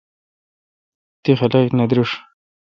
تی خلق نہ درݭ۔